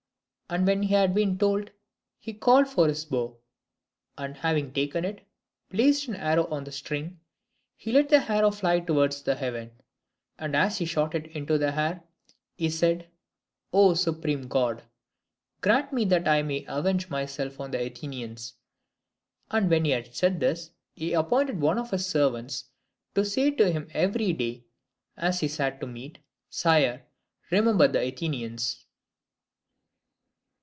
And when he had been told, he called for his bow; and, having taken it, and placed an arrow on the string, he let the arrow fly towards heaven; and as he shot it into the air, he said, 'O Supreme God! grant me that I may avenge myself on the Athenians.' And when he had said this, he appointed one of his servants to say to him every day as he sat at meat, 'Sire, remember the Athenians.'"